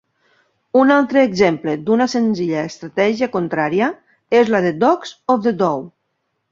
Un altre exemple d'una senzilla estratègia contraria és la de Dogs of the Dow.